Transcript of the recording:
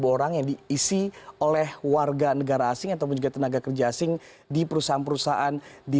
dua orang yang diisi oleh warga negara asing ataupun juga tenaga kerja asing di perusahaan perusahaan di